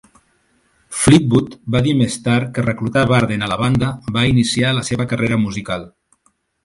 Fleetwood va dir més tard que reclutar Barden a la banda va iniciar la seva carrera musical.